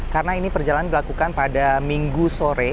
karena ini perjalanan dilakukan pada minggu sore